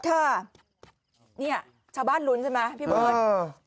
ค่ะเนี่ยชาวบ้านลุ้นใช่ไหมพี่เบิร์ต